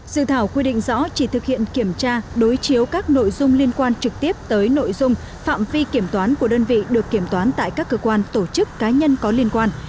dự thảo quy định rõ chỉ thực hiện kiểm tra đối chiếu các nội dung liên quan trực tiếp tới nội dung phạm vi kiểm toán của đơn vị được kiểm toán tại các cơ quan tổ chức cá nhân có liên quan